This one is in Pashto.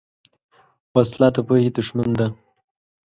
وسله د پوهې دښمن ده